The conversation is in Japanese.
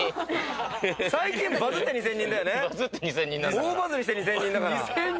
大バズりして２０００人だから。